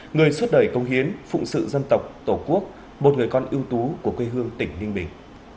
người suốt đời công hiến phụng sự dân tộc tổ quốc một người con ưu tú của quê hương tỉnh ninh bình